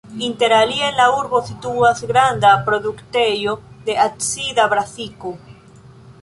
Inter alie en la urbo situas granda produktejo de acida brasiko.